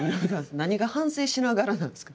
何が反省しながらなんですか。